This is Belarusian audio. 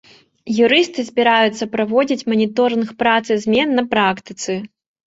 Юрысты збіраюцца праводзіць маніторынг працы змен на практыцы.